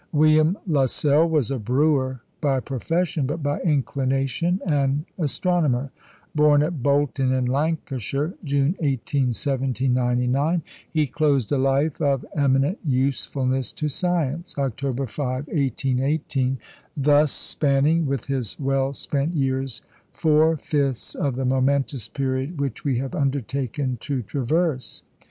William Lassell was a brewer by profession, but by inclination an astronomer. Born at Bolton in Lancashire, June 18, 1799, he closed a life of eminent usefulness to science, October 5, 1818, thus spanning with his well spent years four fifths of the momentous period which we have undertaken to traverse.